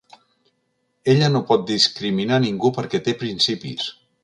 Ella no pot discriminar ningú perquè té principis.